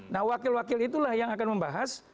nah wakil wakil itulah yang akan membahas